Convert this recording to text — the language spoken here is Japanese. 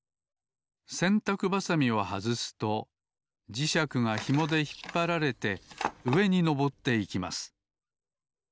せんたくばさみをはずすと磁石がひもでひっぱられてうえにのぼっていきます。